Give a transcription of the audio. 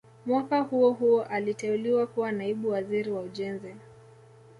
Mwaka huo huo aliteuliwa kuwa Naibu Waziri wa Ujenzi